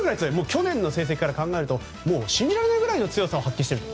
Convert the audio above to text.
去年の成績から考えると信じられないくらいの強さを発揮していると。